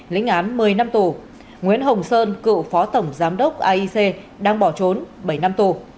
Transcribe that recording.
lĩnh án một mươi năm tù nguyễn hồng sơn cựu phó tổng giám đốc aic đang bỏ trốn bảy năm tù